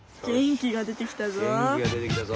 元気がでてきたぞ！